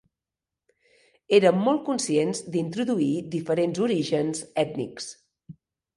Érem molt conscients d'introduir diferents orígens ètnics.